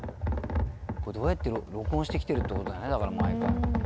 これどうやって録音して来てるってことだね毎回。